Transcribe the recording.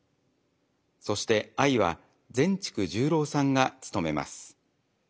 そしてアイは善竹十郎さんがつとめます。